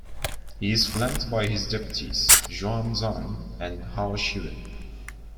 He is flanked by his deputies Xuan Zan and Hao Siwen.